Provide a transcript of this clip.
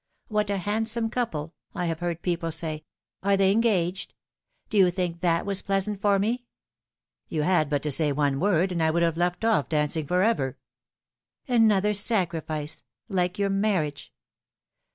'"What a handsome couple!' I have heard people say ;' are they engaged ?' Do you think that was pleasant for me ?"" You had but to say one word, and I would have left off dancing for ever." " Another sacrifice like your marriage."